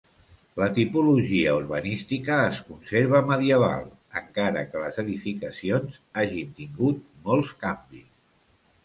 La tipologia urbanística es conserva medieval, encara que les edificacions hagin tingut molts canvis.